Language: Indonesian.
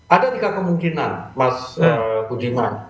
ada tiga kemungkinan mas budiman